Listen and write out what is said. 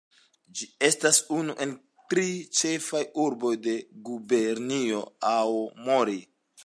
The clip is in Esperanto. Ĝi estas unu el tri ĉefaj urboj de Gubernio Aomori.